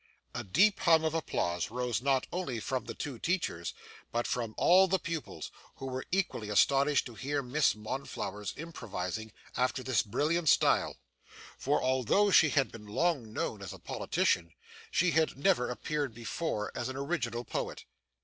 A deep hum of applause rose not only from the two teachers, but from all the pupils, who were equally astonished to hear Miss Monflathers improvising after this brilliant style; for although she had been long known as a politician, she had never appeared before as an original poet.